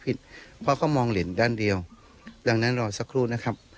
ไม่ได้กังวลอะไรเกิดไปเรื่อยแบบนี้นะครับ